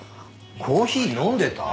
コーヒー飲んでた？